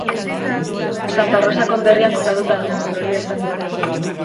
Santa Rosa konderrian kokatuta dago, Florida estatuan.